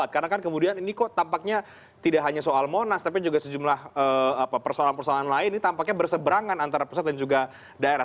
karena kan kemudian ini kok tampaknya tidak hanya soal monas tapi juga sejumlah persoalan persoalan lain ini tampaknya berseberangan antara pusat dan juga daerah